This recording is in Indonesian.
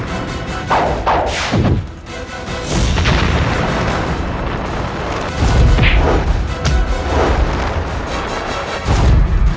oke sampai lengths sini